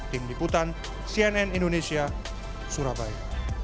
tim liputan cnn indonesia surabaya